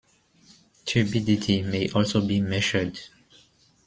Turbidity may also be measured.